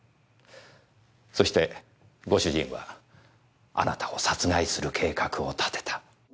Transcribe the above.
そしてご主人はあなたを殺害する計画を立てた。